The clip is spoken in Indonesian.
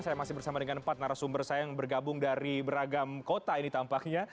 saya masih bersama dengan empat narasumber saya yang bergabung dari beragam kota ini tampaknya